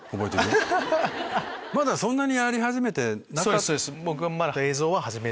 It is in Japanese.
まだそんなにやり始めてなかった？